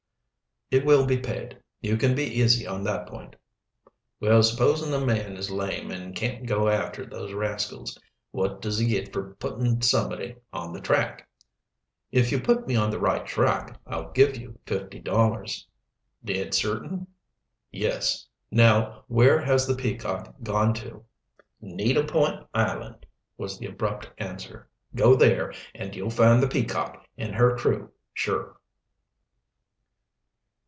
"It will be paid, you can be easy on that point." "Well, supposin' a man is lame and can't go after those rascals? What does he git for puttin' somebody on the track?" "If you put me on the right track, I'll give you fifty dollars." "Dead certain?" "Yes. Now where has the Peacock gone to?" "Needle Point Island," was the abrupt answer. "Go there, an' you'll find the Peacock and her crew, sure."